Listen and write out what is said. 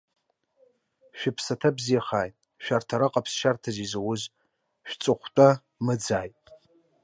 Шәыԥсаҭа бзиахааит, шәарҭ араҟа ԥсшьарҭас изауз, шәҵыхәтәа мыӡааит!